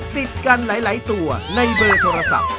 ติดกันหลายตัวในเบอร์โทรศัพท์